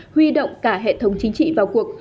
huy động cả hệ thống chính trị vào cuộc